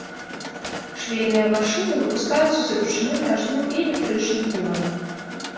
Швейныя машыны выпускаюцца з ручным, нажным і электрычным прывадам.